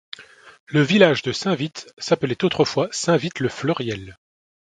Le village de Saint-Vitte s'appelait autrefois Saint Vitte-le-Fleuriel.